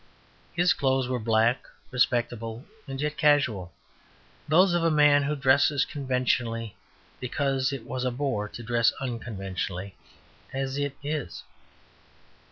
His clothes were black; respectable and yet casual; those of a man who dressed conventionally because it was a bore to dress unconventionally as it is.